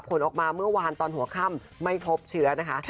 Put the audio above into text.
ผลออกมาเมื่อวานตอนหัวค่ำไม่พบเชื้อนะคะ